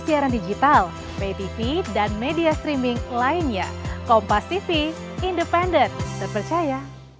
siaran digital ptv dan media streaming lainnya kompas tv independent terpercaya